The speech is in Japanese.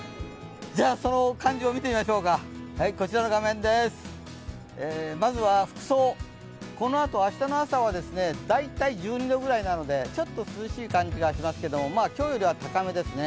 じゃ、その感じを見てみましょうかまずは服装、このあと、明日の朝は大体１２度なのでちょっと涼しい感じがしますけど今日よりは高めですね。